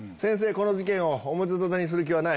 この事件を表沙汰にする気はない。